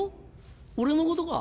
俺のことか？